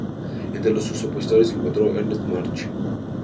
Entre sus opositores se encontró Ernst Mach.